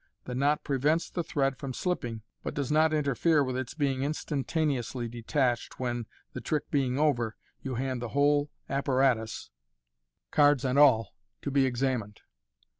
The knot prevents the thread from slipping, but does not interfere with its being instantaneously detached when, the trick being over, you hand the whole apparatus, cards and all, to be ex amined.